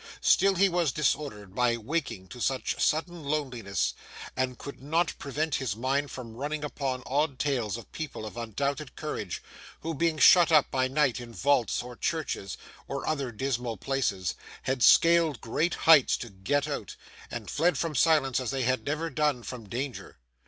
Still, he was disordered by waking to such sudden loneliness, and could not prevent his mind from running upon odd tales of people of undoubted courage, who, being shut up by night in vaults or churches, or other dismal places, had scaled great heights to get out, and fled from silence as they had never done from danger.